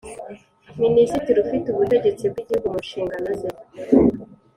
minisitiri ufite Ubutegetsi bw Igihugu mu nshingano ze